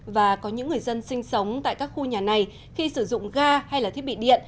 và có những người dân sinh sống tại các khu nhà này khi sử dụng ga hay là thiết bị điện